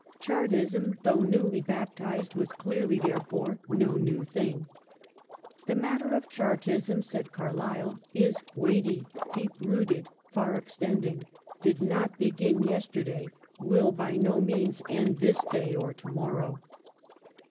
Chartism, though newly baptised, was clearly, there fore, no new thing. *'The matter of Chartism," said Carlyle, "is weighty, deep rooted, far extending ; did not begin yesterday ; will by no means end this day or to moiTow."